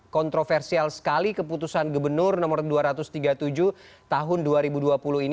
kontroversial sekali keputusan gubernur nomor dua ratus tiga puluh tujuh tahun dua ribu dua puluh ini